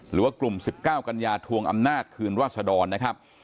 หรือว่ากลุ่ม๑๙กัญญาทวงอำนาจคืนวาสดรนะครับ